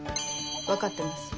分かってます。